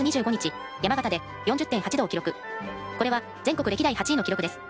これは全国歴代８位の記録です。